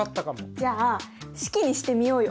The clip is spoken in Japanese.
じゃあ式にしてみようよ。